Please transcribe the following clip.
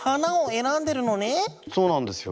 そうなんですよ。